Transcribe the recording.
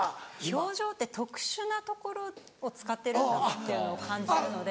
氷上って特殊なところを使ってるなというのを感じるので。